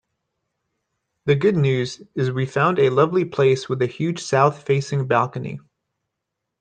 The good news is we found a lovely place with a huge south-facing balcony.